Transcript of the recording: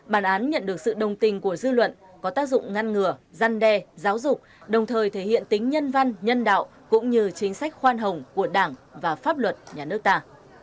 bản án nhận được sự đồng tình của dư luận có tác dụng ngăn ngừa gian đe giáo dục đồng thời thể hiện tính nhân văn nhân đạo cũng như chính sách khoan hồng của đảng và pháp luật nhà nước ta